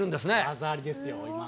技ありですよ、今の。